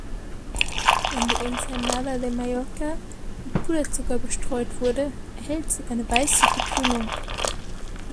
Wenn die Ensaïmada de Mallorca mit Puderzucker bestreut wurde, erhält sie eine weißliche Tönung.